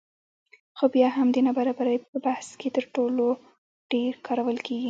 خو بیا هم د نابرابرۍ په بحث کې تر ټولو ډېر کارول کېږي